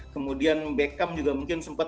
kemudian beckham juga mungkin sempat